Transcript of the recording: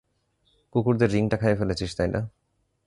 কুকুরদের রিংটা খাইয়ে ফেলেছিস, তাই না?